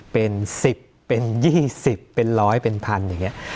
เป็น๑๐เป็น๒๐เป็น๑๐๐เป็นพันอย่างนี้